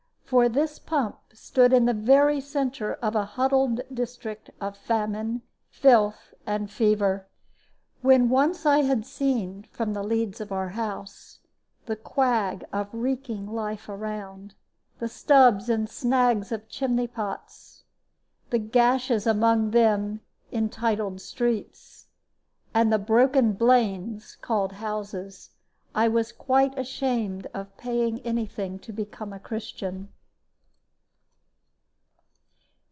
For this pump stood in the very centre of a huddled district of famine, filth, and fever. When once I had seen from the leads of our house the quag of reeking life around, the stubs and snags of chimney pots, the gashes among them entitled streets, and the broken blains called houses, I was quite ashamed of paying any thing to become a Christian.